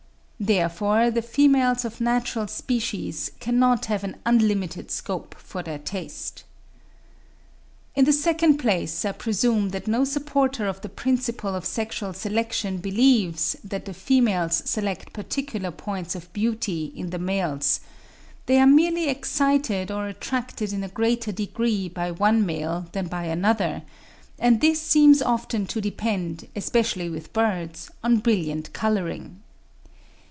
Therefore the females of natural species cannot have an unlimited scope for their taste. In the second place, I presume that no supporter of the principle of sexual selection believes that the females select particular points of beauty in the males; they are merely excited or attracted in a greater degree by one male than by another, and this seems often to depend, especially with birds, on brilliant colouring.